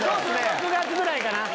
６月ぐらいかな。